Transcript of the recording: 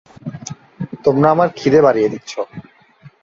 তোমরা আমার ক্ষিদে বাড়িয়ে দিচ্ছ।